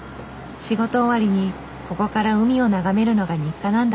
仕事終わりにここから海を眺めるのが日課なんだって。